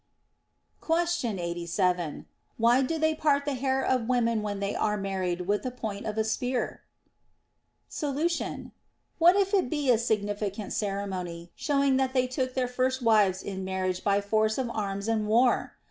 Question 87. Why do they part the hair of women when they are married with the point of a spear ? Solution. What if it be a significant ceremony, showing that they took their first wives in marriage by force of arms and war